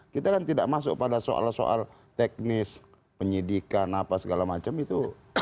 kita kan tidak masuk pada soal soal teknis penyidikan apa segala macam itu